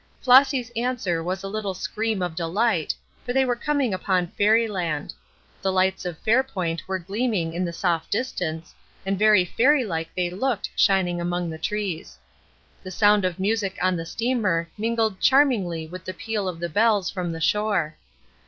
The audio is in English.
Flossy's answer was a little scream of delight, for they were coming upon fairy land; the lights of Fairpoint were gleaming in the soft distance, and very fairy like they looked shining among the trees. The sound of music on the steamer mingled charmingly with the peal of the bells from the shore.